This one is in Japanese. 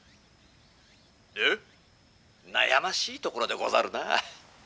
「悩ましいところでござるなぁ」。